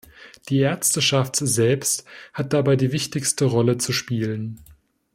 Die Ärzteschaft selbst hat dabei die wichtigste Rolle zu spielen.